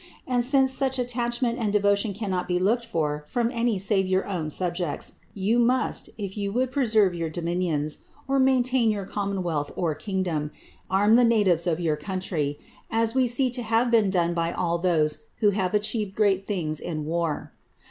And since such attachment and devotion cannot be looked for from any save your own subjects, you must, if you would preserve your dominions, or maintain your commonwealth or kingdom, arm the natives of your country; as we see to have been done by all those who have achieved great things in war.